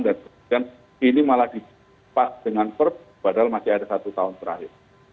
dan ini malah dipas dengan perp padahal masih ada satu tahun terakhir